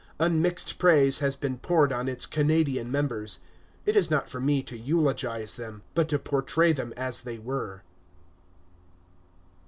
Unmixed praise has been poured on its Canadian members. It is not for me to eulogize them, but to portray them as they were.